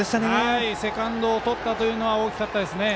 セカンドをとったというのは大きかったですね。